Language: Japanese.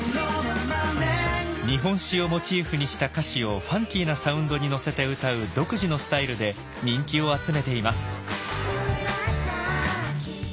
日本史をモチーフにした歌詞をファンキーなサウンドに乗せて歌う独自のスタイルで人気を集めています。